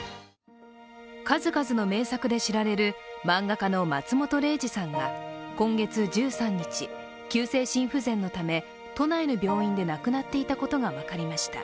数々の名作で知られる漫画家の松本零士さんが今月１３日、急性心不全のため都内の病院で亡くなっていたことが分かりました。